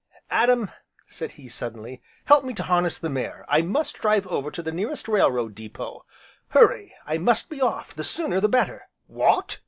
"Adam," said he, suddenly, "help me to harness the mare, I must drive over to the nearest rail road depot, hurry, I must be off, the sooner, the better." "What!